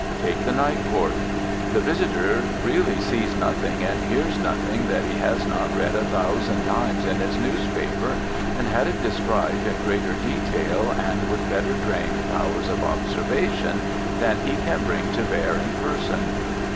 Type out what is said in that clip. Take the Night Court. The visitor really sees nothing and hears nothing that he has not read a thousand times in his newspaper and had it described in greater detail and with better trained powers of observation than he can bring to bear in person.